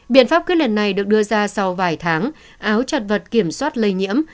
biện pháp quyết liệt này được đưa ra sau vài tháng áo chặt vật kiểm soát lây nhiễm